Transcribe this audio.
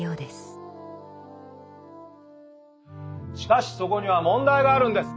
しかしそこには問題があるんです。